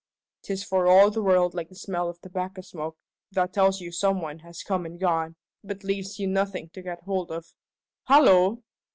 'Tis for all the world like the smell of tobacco smoke, that tells you some one has come and gone, but leaves you nothing to get hold of. Hallo!